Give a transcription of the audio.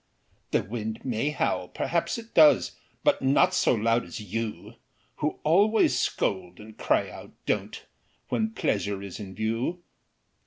"The wind may howl perhaps it does, But not so loud as you, Who always scold and cry out 'Don't', When pleasure is in view."